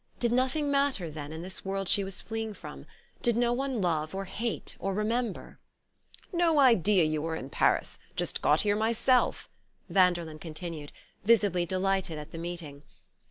Did nothing matter, then, in this world she was fleeing from, did no one love or hate or remember? "No idea you were in Paris just got here myself," Vanderlyn continued, visibly delighted at the meeting.